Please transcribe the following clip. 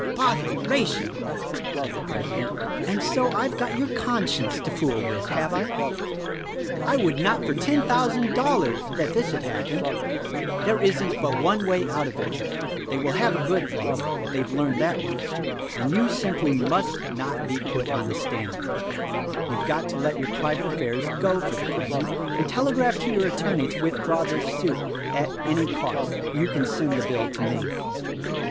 "Botheration!" said the president, "and so I've got your conscience to fool with, have I? I would not for THE RECORDING ANGEL 97 ten thousand dollars that this had happened. There isn't but one way out of it. They will have a good lawyer — they have learned that much — and you simply must not be put on the stand. You've got to let your private affairs go for the present, and telegraph to your attorney to with draw this suit — at any cost. You can send the bill to me."